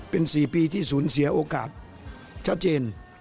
เป็น๔ปีที่สูญเสียโอกาสชัดเจน